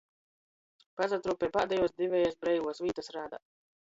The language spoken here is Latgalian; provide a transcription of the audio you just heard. Pasatruopeja pādejuos divejis breivuos vītys rādā.